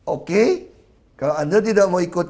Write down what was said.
oke kalau anda tidak mau ikut